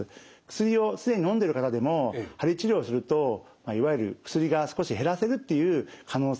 薬を既にのんでいる方でも鍼治療をするといわゆる薬が少し減らせるっていう可能性があるというふうに考えられます。